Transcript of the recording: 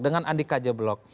dengan andika jeblok